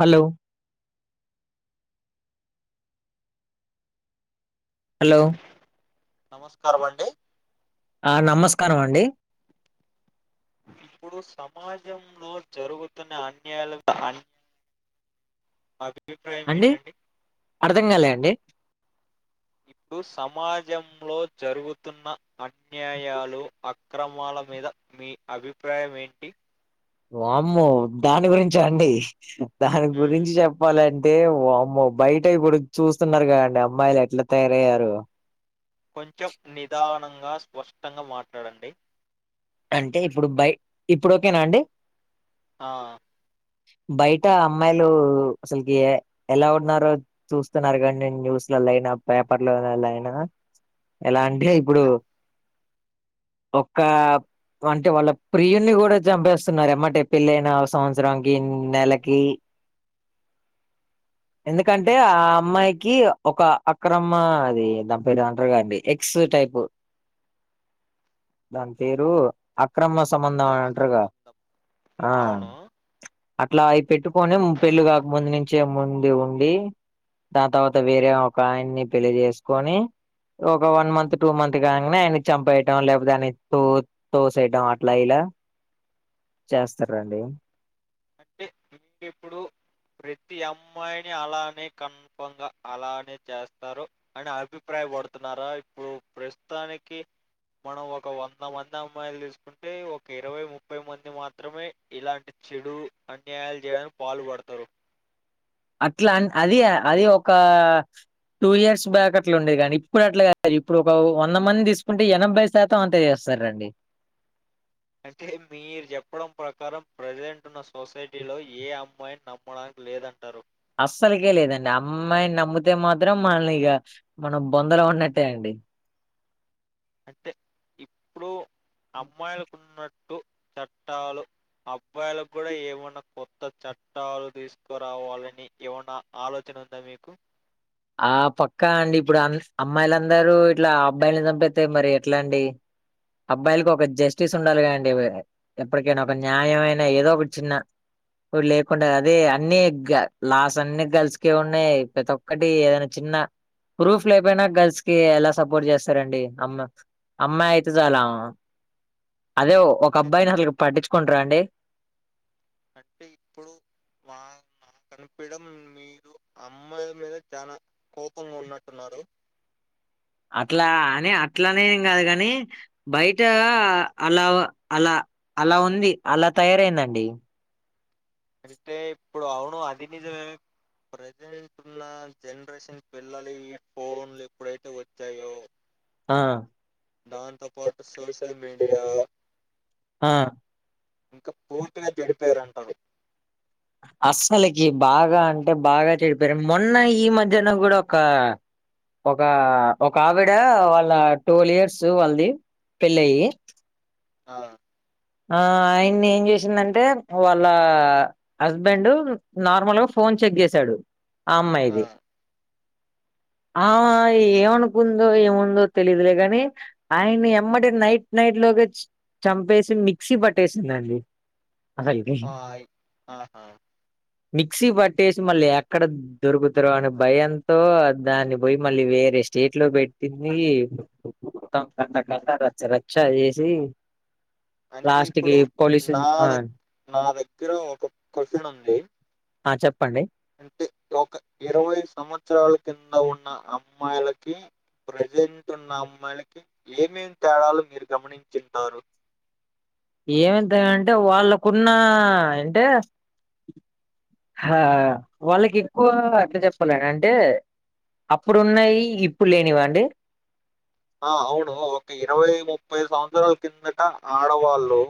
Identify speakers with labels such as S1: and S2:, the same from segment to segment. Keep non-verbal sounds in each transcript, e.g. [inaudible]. S1: Hello hello
S2: నమస్కారం అండి
S1: ఆ నమస్కారం అండి
S2: ఇప్పుడు సమాజంలో జరుగుతున్న అన్యాలు అన్ అవి
S1: అండి అర్థం కాలే అండి
S2: ఇప్పుడు సమాజంలో జరుగుతున్న అన్యాయాలు, అక్రమాల మీద మీ అభిప్రాయం ఏంటి?
S1: వామ్మో దాని గురించా అండి, దాని
S2: ఉమ్,
S1: గురించి చెప్పాలం టె వామ్మో బయట ఇప్పుడు చూస్తున్నారు కదండి అమ్మాయిలు ఎట్లా తయారయ్యారో.
S2: కొంచెం నిదానంగా స్పష్టంగా మాట్లాడండి.
S1: అంటే ఇప్పుడు బై ఇప్పుడు ఓకేనా అండి?
S2: ఆ
S1: బయట అమ్మాయిలు అసలుకి ఎలా ఉన్నారో చూస్తున్నారు కదండి న్యూస్లల్లైనా, పేపర్లో నైనా ఎలాం అదే ఇప్పుడు
S2: అన్-
S1: ఒకా అంటే వాళ్ళ ప్రియున్ని గుడ చంపేస్తున్నారు అన్నమాట పెళ్ళైన సంవత్సరానికి, నెలకి ఎందుకంటే ఆ
S2: అంటే
S1: అమ్మాయికి ఒక అక్రమ అది దాని పేరేమో అంటరు కదండి, ఎక్స్ టైపు దాని పేరు అక్రమ సంబంధం అని
S2: అక్రమ
S1: అంటరుగా
S2: సంబంధం
S1: ఆ
S2: అవును
S1: అట్లా అయి పెట్టుకొని పెళ్ళి కాక ముందు నుంచే ముందు ఉండి దాని తర్వాత వేరే ఒక ఆయన్ని పెళ్లి చేసుకొని ఒక వన్ మంత్, టూ మంత్ కాగనే ఆయన్నీ చంపేయటం లేకపోతే ఆయన్ని తూ తోసేయటం అట్ల ఇలా చేస్తారండి
S2: అంటే మీరు ఇప్పుడు ప్రతి అమ్మాయిని అలానే కన్ఫర్మ్ గా అలానే చేస్తారు. ఆడ అభిప్రాయ పడుతున్నారా, ఇప్పుడు ప్రస్తుతానికి మనం ఒక వంద మంది అమ్మాయిలు తీసుకుంటే, ఒక ఇరవై ముప్పై మంది మాత్రమే ఇలాంటి చెడు అన్యాయాలు చేయడానికి పాలు పడతారు.
S1: అట్లాం అవి ఆ అది ఒక టూ ఇయర్స్ బ్యాక్ అట్ల ఉండేది కానీ, ఇప్పుడు అట్ల కాదు, ఇప్పుడు ఒక వంద మంది తీసుకుంటే ఎనభై శా శాతం అంతే చేస్తారండి.
S2: అంటే మీరు చెప్పడం ప్రకారం ప్రెసెంట్ ఇప్పుడున్న సొసైటీలో ఏ అమ్మాయిని నమ్మడానికి లేదంటారు.
S1: అస్సలికే లేదండి, అమ్మాయిని నమ్మితే మాత్రం మనల్ని ఇగ, మనం బొందలో ఉన్నట్టే అండి
S2: అంటే ఇప్పుడు అమ్మాయిలకున్నట్టు చట్టాలు అబ్బాయిలకు కూడా ఏమన్నా కొత్త చట్టాలు తీసుకురావాలని ఏవన్నా ఆలోచన ఉందా మీకు?
S1: ఆ పక్కా అండి, ఇప్పుడు అం అమ్మాయిలందరూ ఇట్ల అబ్బాయిలని చంపేత్తే మరి ఎట్ల అండి? అబ్బాయిలకు ఒక జెస్టిస్ ఉండాలి కదండి వే ఎప్పటికైనా ఒక న్యాయమయినా ఏదో ఒకటి చిన్న ఇప్పుడు లేకుండా అదే అన్నీ గ లాస్ అన్నీ గర్ల్స్కే ఉన్నయి, ప్రతొ ఒకటి ఏదైనా చిన్న ప్రూఫ్ లేకపోయినా గర్ల్స్ కి ఎలా సపోర్ట్ చేస్తారండి అమ్మ అమ్మాయి అయితే చాలా, అదే ఒక
S2: అంటే
S1: అబ్బాయిని అసలుకు పట్టించుకుంటరా అండి?
S2: అంటే ఇప్పుడు మా మా కనిపిడం మీరు అమ్మాయిల మీద చానా కోపంగా ఉన్నట్టున్నారు.
S1: అట్లా అని అట్లానేం కాదు కని బయట అలా అలా అలా ఉంది అలా తయారైందండి
S2: అంటే ఇప్పుడు అవును అది నిజమే ప్రజెంట్ ఉన్న జనరేషన్ పిల్లలు ఈ ఫోన్లు ఎప్పుడైతే వచ్చాయో
S1: ఆ
S2: దాంతో పాటు సోషల్ మీడియా
S1: ఆ
S2: ఇంకా పూర్తిగా చెడిపోయారంటారు
S1: అసలకి బాగా అంటే బాగా చెడిపోయారు మొన్న ఈ మధ్యన కూడా ఒక ఒక ఒక ఆవిడ వాళ్ళ ట్వల్వ్ ఇయర్స్ వాళ్ళది పెళ్ళి అయ్యి
S2: ఆ
S1: ఆ ఆయన్ని ఏం చేసిందంటే వాళ్ళ హస్బెండ్ నార్మల్గా ఫోన్ చెక్ చేసాడు ఆ అమ్మాయిది ఆమె ఏమనుకుందో ఏముందో తెలీదులే గాని ఆయన్ని ఎమ్మటె నైట్ నైట్ లోగా చంపేసి మి మిక్సీ బట్టేసిందండి అసల్కి
S2: ఆ ఆహా
S1: మిక్సీ పట్టేసి మళ్ళీ ఎక్కడ దొరుకుతరొ అనే భయంతో దాన్ని పోయి మళ్ళీ వేరే స్టేట్ లో పెట్టింది మొత్తం కత కత రచ్చ రచ్చ చేసి
S2: అంటే
S1: లాస్ట్ కి
S2: ఇప్పుడు
S1: పోలీసు
S2: నా దగ
S1: ఆ
S2: నా దగ్గర ఒక క్వశ్చన్ ఉంది
S1: ఆ చెప్పండి
S2: అంటే ఒక ఇరవై సంవత్సరాల కింద ఉన్న అమ్మాయిలకి ప్రజెంట్ ఉన్న అమ్మాయిలకి ఏమేం తేడాలు మీరు గమనించిఉంటారు
S1: ఏమేం తేడా అంటే వాళ్ళకున్న అంటే ఆ వాళ్ళకి ఎక్కువ ఎట్లా చెప్పాలని అంటే అప్పుడు ఉన్నయి ఇప్పుడు లేనివఅండి
S2: ఆ అవును ఒక ఇరవై ముప్పై సంవత్సరాల కిందట ఆడవాళ్ళు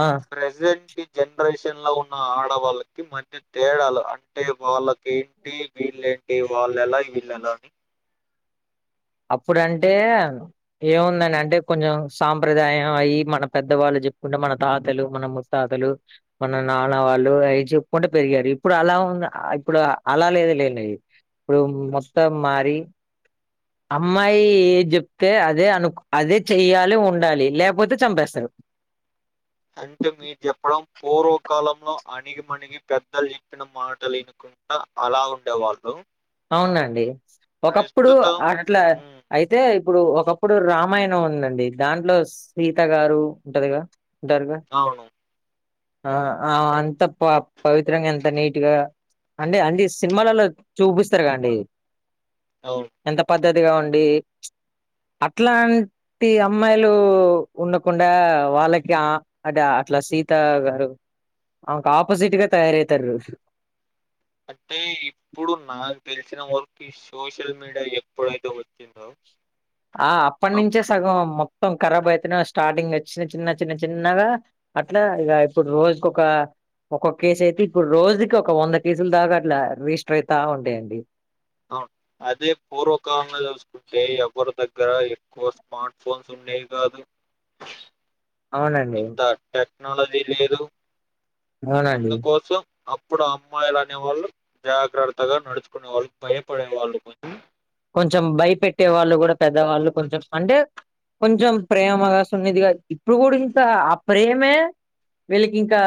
S1: ఆ
S2: ప్రజెంట్ జనరేషన్లో ఉన్న ఆడవాళ్ళకి మధ్య తేడాలు అంటే వాళ్ళకు ఏంటి వీళ్ళేంటి వాళ్లు ఎలా వీళ్లు ఎలాఅని
S1: అప్పుడంటే ఏముందండి అంటే కొంచెం సాంప్రదాయం అయ్యి మన పెద్దవాళ్ళు చెప్పుకుంటే మన తాతలు మన ముత్తాతలు మన నాన్న వాళ్ళు అవి చెప్పుకుంట పెరిగారు ఇప్పుడు అలా ఉ ఇప్పుడు అలా లేదు లేండి ఇప్పుడు మొత్తం మారి అమ్మాయి ఏది చెప్తే అదే అనుకో అదే చెయ్యాలి ఉండాలి లేకపోతే చంపేస్తారు
S2: అంటే మీరు చెప్పడం పూర్వకాలంలో అణిగిమణిగి పెద్దలు చెప్పిన మాటలు వినుకొని అలా ఉండేవాళ్ళు
S1: అవునండి ఒకప్పుడు
S2: ప్రస్తుతం
S1: అట్లా
S2: హ్మ్.
S1: అయితే ఇప్పుడు ఒకప్పుడు రామాయణం ఉందండి దాంట్లో సీత గారు ఉంటదిగా ఉంటారుగ
S2: అవును.
S1: ఆ అంత ప పవిత్రంగా ఎంత నీట్గా అంటే అండి సినిమాలలో చూపిస్తారుగ అండి
S2: అవును
S1: ఎంత పద్ధతిగా ఉండి అట్లా ప్రతి అమ్మాయిలు ఉండకుండా వాళ్ళకి అదే అట్లా సీతా గారు ఆమెకి ఆపోజిట్‌గా తయారవుతారు
S2: అంటే ఇప్పుడు నాకు తెలిసిన వరకు ఈ సోషల్ మీడియా ఎప్పుడైతే వచ్చిందో
S1: ఆ
S2: అప్
S1: అప్పటినుంచే సగం మొత్తం రాబ్ అయితేనే స్టార్టింగ్ చిన్న చిన్న చిన్న చిన్నగా అట్లా ఇగ ఇప్పుడు రోజుకొక ఒక్కొక్క కేసు అయితే ఇప్పుడు రోజుకి ఒక వంద కేసులు దాకా అట్లా రిజిస్టర్ అయితా ఉంటాయండి
S2: అవును అదే పూర్వకాలంలో చూసు కుంటే ఎవరి దగ్గర ఎక్కువ స్మార్ట్ ఫోన్స్ ఉండేవి కాదు
S1: అవునండి.
S2: ఇంతా టెక్నాలజీ లేదు
S1: అవునండి.
S2: అందుకోసం అప్పుడు అమ్మాయిలు అనే వాళ్ళు జాగ్రత్తగా నడుచుకునే వాళ్ళు భయపడే వాళ్ళు కొంచెం
S1: కొంచెం భయపెట్టే వాళ్ళు కూడా పెద్దవాళ్ళు కొంచెం అంటే కొంచెం ప్రేమగా సున్నిధిగా ఇప్పుడు కూడా ఇంత ఆ ప్రేమే వీళ్ళకి ఇంకా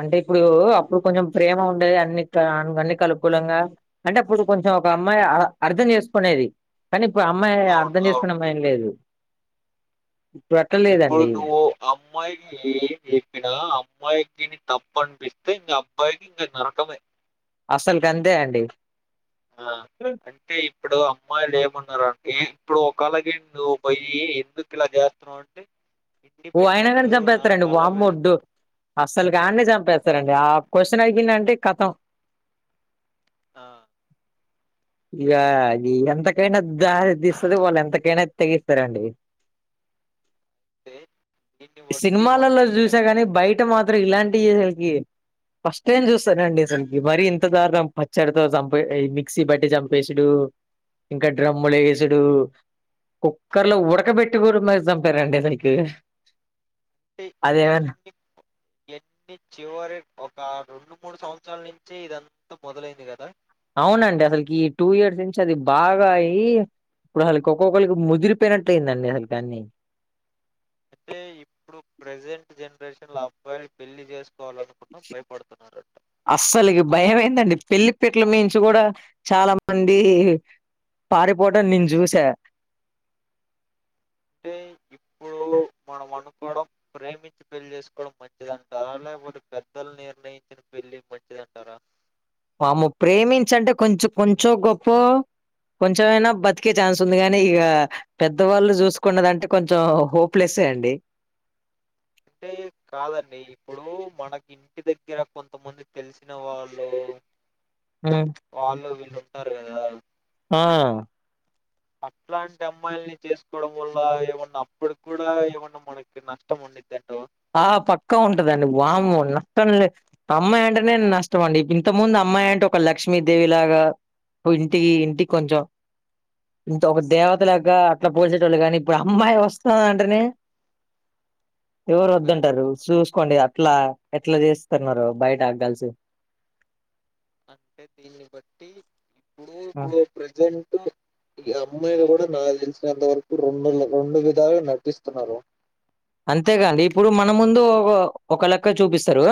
S1: అంటే ఇప్పుడు అప్పుడు కొంచెం ప్రేమ ఉండేది అన్ని ఇట్ట అన్నికి అనుకూలంగా అంటే అప్పుడు కొంచెం ఒక అమ్మాయి ఆ అర్థం చేసుకునేది కానీ ఇప్పుడు అమ్మాయి
S2: అవును
S1: అర్థం
S2: అవును
S1: చేసుకునే మైండ్ లేదు ఇప్పుడు అట్లా
S2: ఇప్పుడు
S1: లేదండి
S2: నువ్వు అమ్మాయి కి చెప్పిన అమ్మాయికి ని తప్పు అనిపిస్తే ఇంక అబ్బాయికి ఇంకా నరకమే
S1: అస్సలుకు అంతే అండి
S2: ఆ అంటే ఇప్పుడు అమ్మాయిలు ఏమన్నారంటే ఇప్పుడు ఒకలాకి నువ్వు పోయి ఎందుకు ఇలా చేస్తున్నావు
S1: ఓ అయినా కానీ చంపేస్తారండి
S2: కాళ్ళ మీద
S1: వామ్మోడు అస్సలుకి అడ్నే చంపేస్తారండి ఆ క్వశ్చన్ అడిగిండంటే కథం
S2: ఆ
S1: ఇగ అది ఎంతకైనా దారి తీస్తది వాళ్ళు ఎంతకైనా తెగిత్తారండి
S2: అంటే దీన్ని బట్టి మనం
S1: సినిమాలలో చూసా
S2: ఏంటి
S1: గాని బయ ట మాత్రం ఇలాంటియి అసలుకి ఫస్ట్ టైం చూస్తానండి అసలు మరి ఇంత దారుణం పచ్చడితో చంపే ఈ మిక్సీ బ ట్టి చంపేసుడు ఇంకా డ్రమ్‌లో ఎసుడు కుక్కర్లో ఉడకబెట్టి కూడా మరి చంపారండి అసలుకు అదేమన్నా
S2: ఇయన్ని చివరి ఒక రెండు మూడు సంవత్సరాల నుంచి ఇదంతా మొదలైంది కదా
S1: అవునండి అసలుకి ఈ టూ ఇయర్స్ నుంచి అది బాగా అయి ఇప్పుడు అళ్లకి ఒక్కొక్కళ్ళకి ముదిరిపోయినట్లయ్యిందండి అసలు అన్ని
S2: అంటే ఇప్పుడు ప్రెజెంట్ జనరేషన్‌లో అబ్బయిలు పెళ్లి చేసుకోవాలను కున్న భయపడుతున్నారు
S1: అస్సలుకి భయమైందండి పెళ్లి పీటల మీనుంచి కూడా చాలా మంది పారిపోవటం నేను చూసా
S2: అంటే ఇప్పుడు మనం అనుకోవడం ప్రేమించి పెళ్లి చేసుకోవడం మంచిదంటా లేకపోతే పెద్దలు నిర్ణయించిన పెళ్ళి మంచిదంటారా
S1: వామ్మో ప్రేమించంటే కొంచొ కొంచొ గొప్పో కొంచమైనా బతికే ఛాన్స్ ఉంది గాని ఇక పెద్దవాళ్ళు చూసుకున్నదంటే కొంచెం హోప్ ప్లెసే అండి
S2: అంటే కాదండి ఇప్పుడు మనకి ఇంటి దగ్గర కొంతమంది తెలిసిన వాళ్ళు
S1: ఉమ్మ్
S2: వాళ్ళు వీళ్ళుంటారు కదా
S1: ఆ
S2: అట్లాంటి అమ్మాయిల్ని చేసుకోవడం వల్ల, ఏమన్నా అప్పుడు కూడా ఏమన్నా మనకి నష్టం ఉం
S1: ఆ పక్కా ఉంటదండి వామ్మో నక్కంలే అమ్మాయి అంటేనేే నష్టం అండి, ఇంత ముందు అమ్మాయి అంటే ఒక లక్ష్మీదేవి లాగా పు ఇంటి ఇంటి కొంచం ఇంత ఒక దేవత లాగా అట్ల పోల్చేటోళ్ళు గని, ఇప్పుడు అమ్మాయి వస్తాది అంటెనే ఎవరు వద్దంటారు
S2: భయపడుతున్నారు.
S1: చూసుకోండి అట్లా ఎట్లా చేస్తున్నారో బయట గర్ల్స్
S2: అంటే దీన్ని బట్టి ఇప్పుడు ఇప్పుడు ప్రజెంట్ అమ్మాయిలు గుడ నాకు తెలిసినంత వరకు రెండు రెండు విధాలుగా నటిస్తున్నారు.
S1: అంతేగాండి ఇప్పుడు మన ముందు ఒ ఒక లెక్క చూపిస్తరు.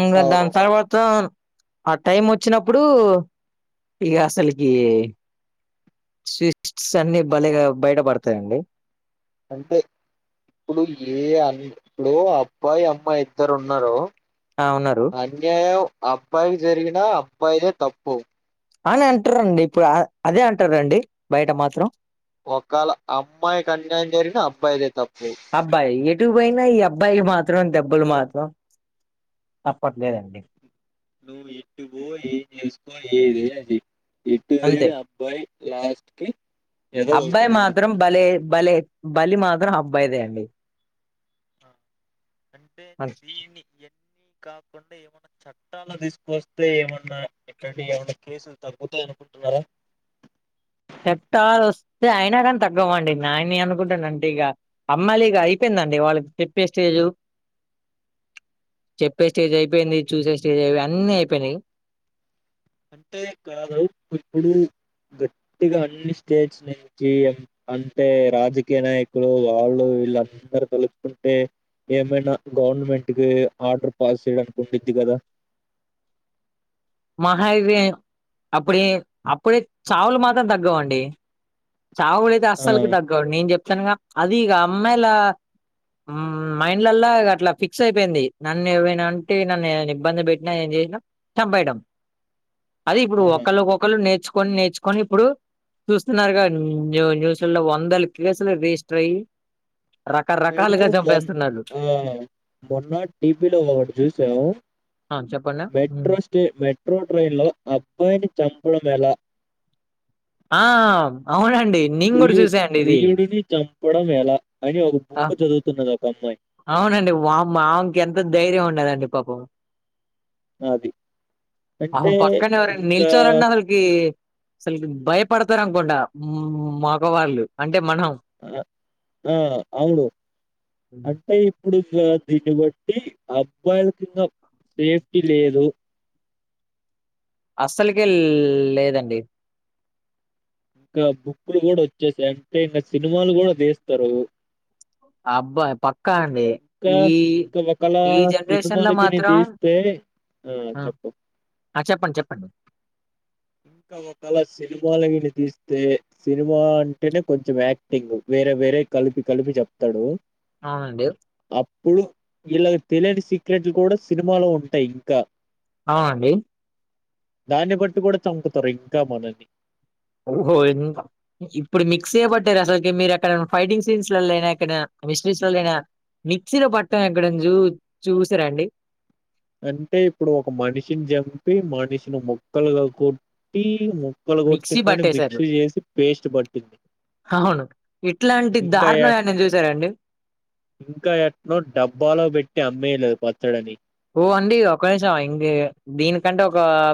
S1: ఇంగ
S2: అవును.
S1: దాని తర్వాత ఆ టైం వచ్చినప్పుడు ఇగ అసలికి స్వీట్స్ అన్ని బలేగా బయట పడతాయండి
S2: అంతే ఇప్పుడు ఏ అం లో అబ్బాయి అమ్మాయి ఇద్దరు ఉన్నరో
S1: ఆ ఉన్నరు
S2: అన్యాయం అబ్బాయికి జరిగినా అబ్బాయిదే తప్పు.
S1: అని అంటరండి ఇప్పుడు అదే అంటరండి బయట మాత్రం.
S2: ఒకాళ అమ్మాయికి అన్యాయం జరిగిన అబ్బాయిదే తప్పు.
S1: అబ్బాయి ఎటు పోయినా ఈ అబ్బాయికి మాత్రం దెబ్బులు మాత్రం తప్పట్లేదండి.
S2: నువ్ ఎట్టు పో ఏం జస్కో ఏది అది జేయ్ ఎటు
S1: అంతే
S2: పోయినా అబ్బాయి లాస్ట్ కి ఎదవ అయితున్నాడు.
S1: కం బలే బలే బలి మాత్రం అబ్బాయిదే అండి.
S2: ఆ, అంటే దీన్ని ఎన్నీ కాకుండా ఏమన్నా చట్టాలు తీసుకొస్తే ఏమన్నా ఇట్లాంటి ఏమన్నా కేసులు తగ్గుతాయనుకుంటున్నారా?
S1: చెట్టాలు వస్తే అయినా గనీ తగ్గవండి, నాయని అనుకుంటా నంటిగా అమ్మాయిలిగా అయిపోయిందండి వాళ్ళకి చెప్పే స్టేజు చెప్పే స్టేజ్ అయిపోయింది, చూసే స్టేజ్ అయిపోయి అన్ని అయిపోయినయ్.
S2: అంటే కాదు ఇప్పుడు గట్టిగా అన్ని స్టేట్స్ నుంచి అం అంటే రాజకీయ నాయకులు వాళ్ళు వీళ్ళందర తెలుసుకుంటే ఏమన్నా గవర్నమెంట్ కి ఆర్డర్ పాస్ చేయడానికి ఉండుద్ది కదా.
S1: మహా ఇవి అప్పుడే అప్పుడే చావులు మాత్రం తగ్గవండి. చావులయితే
S2: ఆ!
S1: అస్సలకి తగ్గవు, నేను చెప్తాన్నాగా, అది ఇగ అమ్మాయిల మైండ్లల్లా ఇగ అట్లా ఫిక్స్ అయిపోయింది, నన్ను ఏవైనా అంటే, నన్ను ఏమన్నా ఇబ్బంది పెట్టినా ఏం చేసినా చంపేయడం అది ఇప్పుడు
S2: ఆ!
S1: ఒకళ్ల ఒకొళ్లు నేర్చుకొని నేర్చుకొని ఇప్పుడు చూస్తున్నారుగా ఉమ్ న్యూస్ లల్లా వందల కేసులు రిజిస్టర్ అయ్యి
S2: మేము
S1: రకరకాలుగా
S2: మొన్
S1: చంపేస్తున్నారు
S2: ఆ మొన్న టీపిలో ఒకటి చూసాం.
S1: ఆ చెప్
S2: మెట్రో స్టే మెట్రో ట్రైన్ లో అబ్బాయిని చంపడం ఎలా?
S1: ఆ అవునండి, నీను గుడ చూసానండి ఇది
S2: ని చంపడం ఎలా అని ఒక
S1: ఆ,
S2: బుక్కు చదువుతున్నది ఒక అమ్మాయి.
S1: అవునండి, వామ్మో ఆమెకి ఎంత ధైర్యం ఉన్నదండి పాపం.
S2: అది.
S1: అహు
S2: అంటే
S1: పక్కన ఎవరైనా
S2: ఇంకా
S1: నిల్చోవాలన్నా అసలు కి అసలుకి భయపడతారు అనుకుంటా [unintelligible] మగవాళ్ళు అంటే మనం
S2: ఆ ఆ అవును అంటయి ఇప్పుడు ఇంక దీన్ని బట్టి అబ్బాయిలకి ఇంకా సేఫ్టీ లేదు
S1: అస్సలు కెల్ లేదండి
S2: కా బుక్కులు కూడా వచ్చేసాయి తే ఇంగ సినిమాలు కూడా తీస్తారు
S1: అబ్బాయి పక్కా అండి
S2: ఇంకా
S1: ఈ
S2: ఇంకా ఒకలా
S1: ఈ జనరేషన్ లో
S2: సినిమాలు గానీ
S1: మాత్రం
S2: తీస్తే ఆ చెప్పు
S1: ఆ చెప్పండి చెప్పండి
S2: క ఒకలా సినిమాలు గనీ తీస్తే సినిమా అంటేనే కొంచెం యాక్టింగ్ వేరే వేరే కలిపి కలిపి చెప్తాడు
S1: అవునండి
S2: అప్పుడు ఇలాగ తెలియని సీక్రెట్లు కూడా సినిమాలో ఉంటాయి ఇంకా
S1: ఔ అండి
S2: దాన్ని బట్టి కూడా చంపుతారు ఇంకా మనల్ని
S1: ఓహో ఎంత ఇప్పుడు మిక్స్ చెయ్యబట్టారు అసలుకి మీరు ఎక్కడన్నా ఫైటింగ్ సీన్స్ లల్లో ఐనా ఎక్కడైనా మిస్టరీస్ లో నైనా మిక్సీ లో పట్టం ఎక్కడన్ చూ చూసారండి
S2: అంటే ఇప్పుడు ఒక మనిషిని చంపి మనిషిని మొక్కలుగా కొట్టి ము క్కలు
S1: మిక్సీ
S2: కొట్టిందని
S1: పట్టేశారు
S2: మిక్సీ చేసి పేస్ట్ పట్టింది
S1: అవును ఇట్లాంటి
S2: ఇంకా ఎ
S1: దారుణం యాడనన్నా చూసారా అండి
S2: ఇంకా ఎట్నో డబ్బాలో పెట్టి అమ్మేయలేదు పచ్చడి అని
S1: ఓ అండి ఒక నిమిషం ఇంగే దీనికంటే ఒక